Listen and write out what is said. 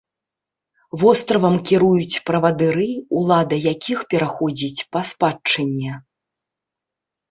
Востравам кіруюць правадыры, улада якіх пераходзіць па спадчыне.